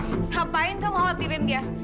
ngapain kamu khawatirin dia